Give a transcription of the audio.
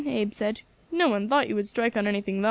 Abe said. "No one thought you would strike on anything thar."